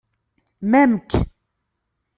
Mamk?